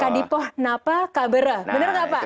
kadipo napa kabere bener nggak pak